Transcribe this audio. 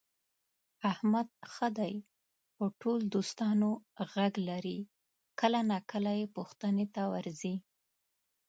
احمد ښه دی په ټول دوستانو غږ لري، کله ناکله یې پوښتنې ته ورځي.